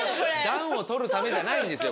暖を取るためじゃないんです。